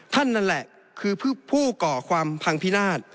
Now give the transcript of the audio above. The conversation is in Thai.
นั่นแหละคือผู้ก่อความพังพินาศ